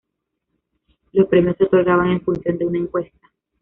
Los premios se otorgaban en función de una encuesta.